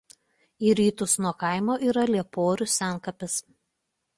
Į rytus nuo kaimo yra Lieporių senkapis.